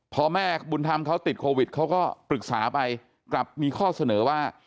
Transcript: พอแม่บุญธรรมเขาติดโควิดเขาก็ปรึกษาไปกลับมีข้อเสนอว่า